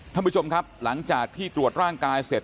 ท่านผู้ชมครับหลังจากที่ตรวจร่างกายเสร็จ